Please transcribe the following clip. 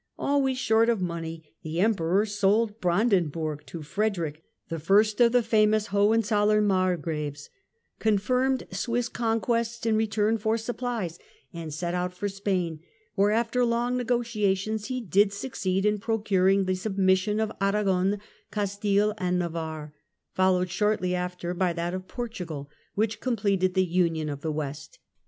Always short of money the Emperor sold Brandenburg to Frederick, the first of the famous HohenzoUern Margraves, confirmed Swiss EMPIRE AND PAPACY, 1414 1453 165 conquests in return for supplies and set out for Spain, where after long negotiations he did succeed in procur ing the submission of Aragon, Castile and Navarre, followed shortly after by that of Portugal, which completed the union of the West.